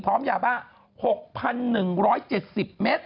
พร้อมยาบ้า๖๑๗๐เมตร